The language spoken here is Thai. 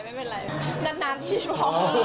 ไม่เป็นไรนานทีพอ